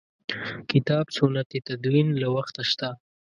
کتاب سنت تدوین له وخته شته.